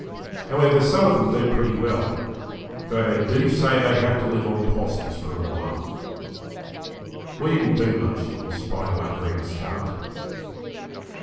However, some of them do pretty well, though they do say they have to live on 'possums for a time. We didn't do much, in spite of our grand start.